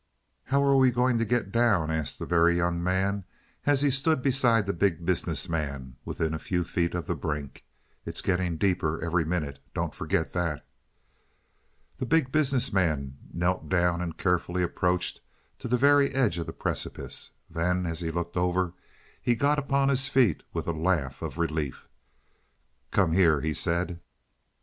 "How are we going to get down?" asked the Very Young Man as he stood beside the Big Business Man within a few feet of the brink. "It's getting deeper every minute, don't forget that." The Big Business Man knelt down and carefully approached to the very edge of the precipice. Then, as he looked over, he got upon his feet with a laugh of relief. "Come here," he said.